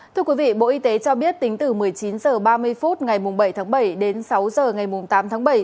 thưa quý vị bộ y tế cho biết tính từ một mươi chín h ba mươi phút ngày bảy tháng bảy đến sáu h ngày tám tháng bảy